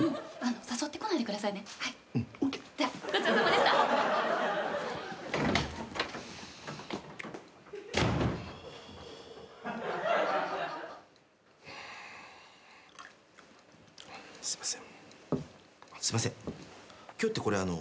そうすいません。